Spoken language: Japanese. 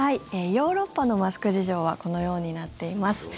ヨーロッパのマスク事情はこのようになっています。